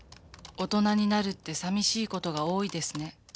大人になるってさみしい事が多いですね」。